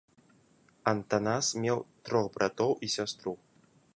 Антанас меў трох братоў і сястру.